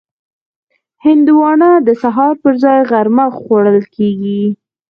هندوانه د سهار پر ځای غرمه خوړل کېږي.